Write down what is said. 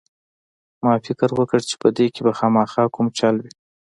ما فکر وکړ چې په دې کښې به خامخا کوم چل وي.